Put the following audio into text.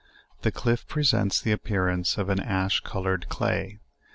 The cliff presents the appearance of an ash col ored clay.